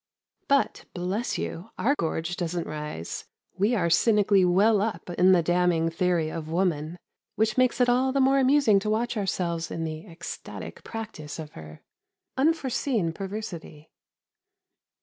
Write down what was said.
(But, bless you ! our gorge doesn't rise. We are cynically well up in the damning Theory of woman, which makes it all the more amusing to Avatch ourselves in the ecstatic practice of her. Unforeseen perversity.)